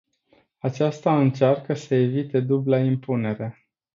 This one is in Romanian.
Aceasta încearcă să evite dubla impunere.